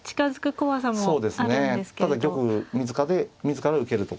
ただ玉自ら受けると。